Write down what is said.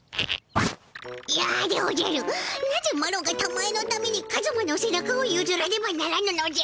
なぜマロがたまえのためにカズマのせ中をゆずらねばならぬのじゃ？